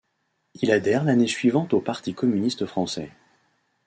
Il adhère l'année suivante au Parti communiste français.